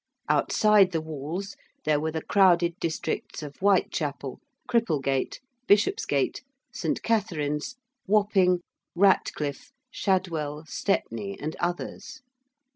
Outside the walls there were the crowded districts of Whitechapel, Cripplegate, Bishopsgate, St. Katherine's, Wapping, Ratcliff, Shadwell, Stepney, and others.